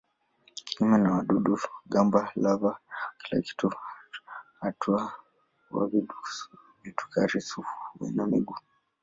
Kinyume na wadudu-gamba lava wa kila hatua wa vidukari-sufu wana miguu.